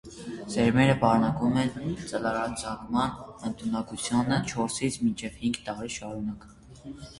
Սերմերը պահպանում են ծլարձակման ընդունակությունը չորսից մինչև հինգ տարի շարունակ։